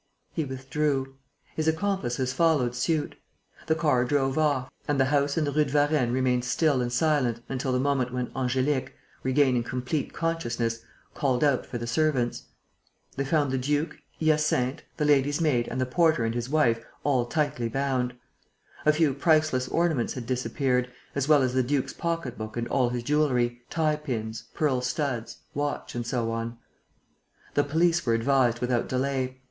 He withdrew. His accomplices followed suit. The car drove off, and the house in the Rue de Varennes remained still and silent until the moment when Angélique, regaining complete consciousness, called out for the servants. They found the duke, Hyacinthe, the lady's maid and the porter and his wife all tightly bound. A few priceless ornaments had disappeared, as well as the duke's pocket book and all his jewellery; tie pins, pearl studs, watch and so on. The police were advised without delay.